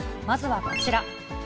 まずはこちら。